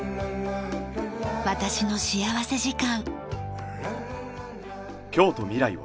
『私の幸福時間』。